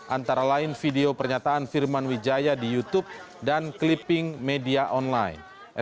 antara lain video pernyataan firman wijaya di youtube dan clipping media online